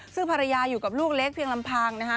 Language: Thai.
ซึ่งภรรยาอยู่กับลูกเล็กเพียงลำพังนะคะ